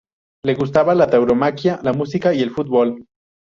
Le gustaba la tauromaquia, la música y el fútbol.